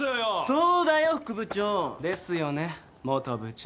そうだよ副部長。ですよね元部長。